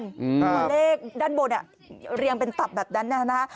ตัวเลขด้านบนเรียงเป็นตับแบบนั้นนะฮะ